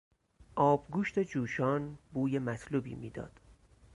آبگوشت جوشان بوی مطلوبی میداد.